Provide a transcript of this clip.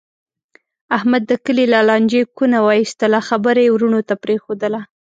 احمد د کلي له لانجې کونه و ایستله. خبره یې ورڼو ته پرېښودله.